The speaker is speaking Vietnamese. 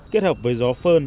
kết hợp với gió phơn